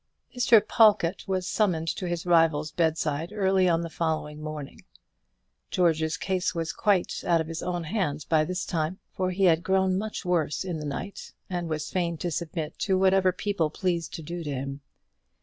Mr. Pawlkatt was summoned to his rival's bedside early on the following morning. George's case was quite out of his own hands by this time; for he had grown much worse in the night, and was fain to submit to whatever people pleased to do to him.